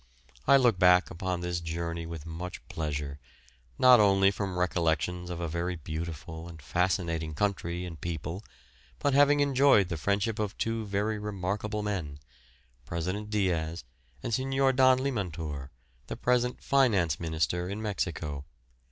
I look back upon this journey with much pleasure, not only from recollections of a very beautiful and fascinating country and people, but having enjoyed the friendship of two very remarkable men President Diaz and Signor Don Limantour, the present finance minister in Mexico.